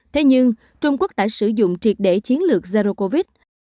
thế nhưng trung quốc đã sử dụng triệt để chiến lược zerocovid